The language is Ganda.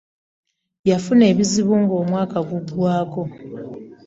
Yafuna ebizibu ng'omwaka guggwaako.